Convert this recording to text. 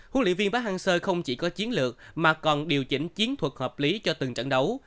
huấn luyện viên park hang seoi không chỉ có chiến lược mà còn điều chỉnh chiến thuật hợp lý cho từng trận đấu